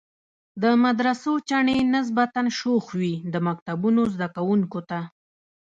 د مدرسو چڼې نسبتاً شوخ وي، د مکتبونو زده کوونکو ته.